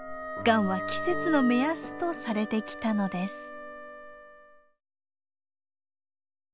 雁は季節の目安とされてきたのです。